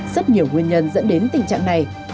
rất nhiều nguyên nhân dẫn đến tình trạng này